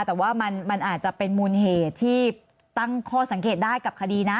แต่ว่ามันอาจจะเป็นมูลเหตุที่ตั้งข้อสังเกตได้กับคดีนะ